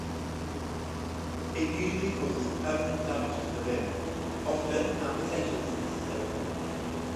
It usually causes permanent damage to the limb; often amputation is necessary.